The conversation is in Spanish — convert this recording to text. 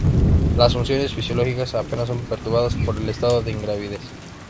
Las funciones fisiológicas apenas son perturbadas por el estado de ingravidez.